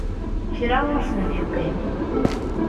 Kra ur sen-d-yeqqim.